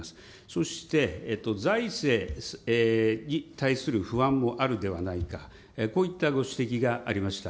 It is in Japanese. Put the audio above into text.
そして、財政に対する不安もあるではないか、こういったご指摘がありました。